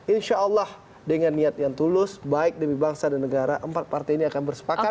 insya allah dengan niat yang tulus baik demi bangsa dan negara empat partai ini akan bersepakat